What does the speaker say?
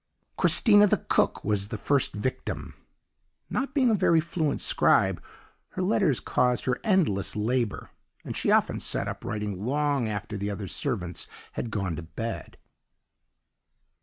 "Christina, the cook, was the first victim. "Not being a very fluent scribe, her letters caused her endless labour, and she often sat up writing long after the other servants had gone to bed.